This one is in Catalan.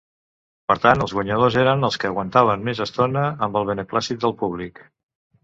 Per tant, els guanyadors eren els que aguantaven més estona amb el beneplàcit del públic.